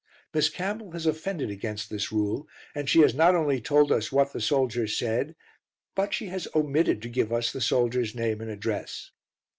Miss Campbell has offended against this rule, and she has not only told us what the soldier said, but she has omitted to give us the soldier's name and address.